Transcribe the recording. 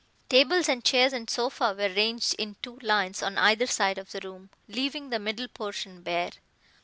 Tables and chairs and sofa were ranged in two lines on either side of the room, leaving the middle portion bare.